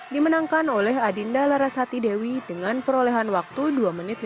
dimenangkan oleh adinda larasati dewi dengan perolehan waktu dua menit lima belas detik